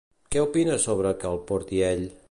Què opina sobre que el porti ell?